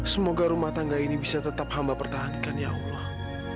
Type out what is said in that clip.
semoga rumah tangga ini bisa tetap hamba pertahankan ya allah